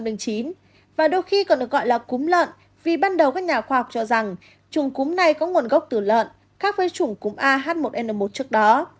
và đôi khi còn được gọi là cúm lợn vì ban đầu các nhà khoa học cho rằng trùng cúm này có nguồn gốc từ lợn khác với chủng cúm ah một n một trước đó